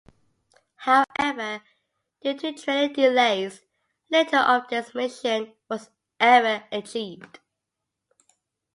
However, due to training delays, little of this mission was ever achieved.